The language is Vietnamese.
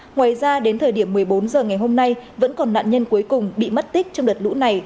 ngoài ra đến thời điểm một mươi bốn h ngày hôm nay vẫn còn nạn nhân cuối cùng bị mất tích trong đợt lũ này